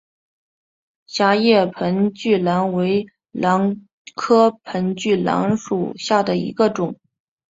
狭叶盆距兰为兰科盆距兰属下的一个种。